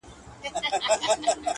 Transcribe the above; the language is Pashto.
غواړمه چي دواړي سترگي ورکړمه؛